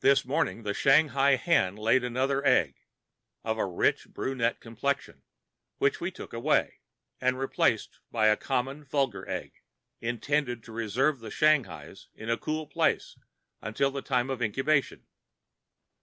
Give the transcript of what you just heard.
This morning the Shanghai hen laid another egg, of a rich brunette complexion, which we took away, and replaced by a common vulgar egg, intending to reserve the Shanghai's in a cool place until the time of incubation.